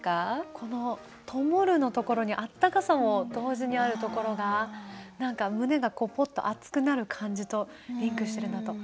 この「灯る」のところに温かさも同時にあるところが何か胸がポッと熱くなる感じとリンクしてるなと。